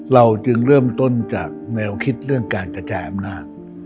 เราจึงเริ่มต้นจากแนวคิดเรื่องการกระจายอำนาจ